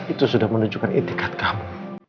itu sudah menunjukkan etikat kamu